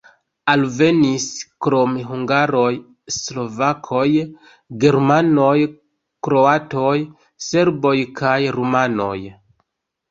Alvenis krom hungaroj slovakoj, germanoj, kroatoj, serboj kaj rumanoj.